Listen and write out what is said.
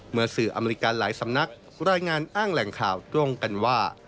สื่ออเมริกาหลายสำนักรายงานอ้างแหล่งข่าวตรงกันว่า